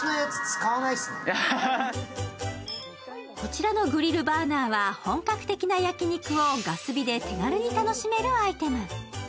こちらのグリルバーナーは本格的な焼き肉をガス火で手軽に楽しめるアイテム。